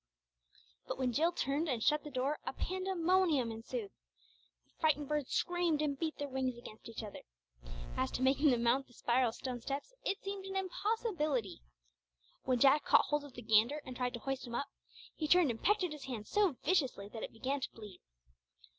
But when Jill turned and shut the door a pandemonium ensued. The frightened birds screamed, and beat their wings against each other. As to making them mount the spiral stone steps, it seemed an impossibility. When Jack caught hold of the gander and tried to hoist him up, he turned and pecked at his hand so viciously that it began to bleed.